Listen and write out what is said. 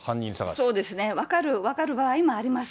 そうですね、分かる場合もあります。